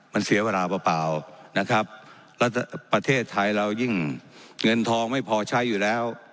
มันเสียเวลาเปล่านะครับแล้วประเทศไทยเรายิ่งเงินทองไม่พอใช้อยู่แล้ว